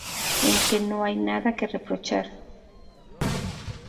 en que no hay nada que reprochar